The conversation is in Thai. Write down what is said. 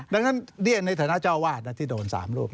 ดังนั้นในฐานะเจ้าวาดที่โดน๓รูป